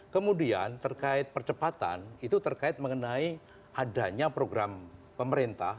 kemudian terkait percepatan itu terkait mengenai adanya program pemerintah